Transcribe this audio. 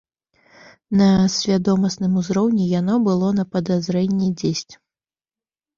На свядомасным узроўні яно было на падазрэнні дзесь.